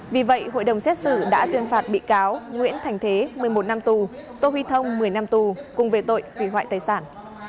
vì vậy hội đồng xét xử đã tuyên phạt bị cáo nguyễn thành thế một mươi một năm tù tô huy thông một mươi năm tù cùng về tội hủy hoại tài sản